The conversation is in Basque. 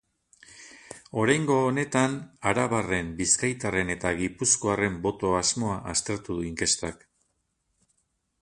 Oraingo honetan, arabarren, bizkaitarren eta gipuzkoarren boto-asmoa aztertu du inkestak.